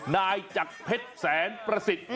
นายจักรเพชรแสนประสิทธิ์